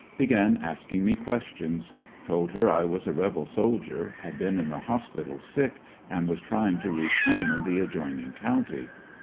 Began asking me questions. Told her I was a rebel sol dier, had been in the hospital sick and was trying to reach home in the adjoining county.